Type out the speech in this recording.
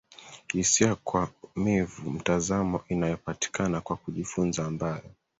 Hisia kwamivu mtazamo inayopatikana kwa kujifunza ambayo